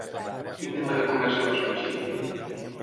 Quin tema de conversa va sorgir?